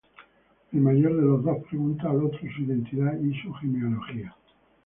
El mayor de los dos pregunta al otro su identidad y su genealogía.